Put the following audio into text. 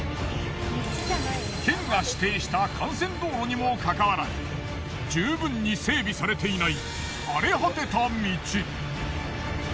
県が指定した幹線道路にもかかわらず十分に整備されていない。